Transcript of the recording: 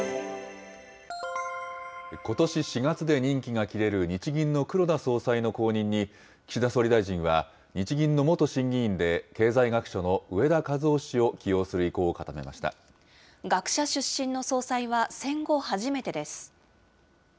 ことし４月で任期が切れる日銀の黒田総裁の後任に、岸田総理大臣は日銀の元審議委員で、経済学者の植田和男氏を起用学者出身の総裁は戦後初めてです。